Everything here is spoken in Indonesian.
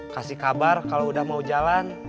kasih kabar kalau udah mau jalan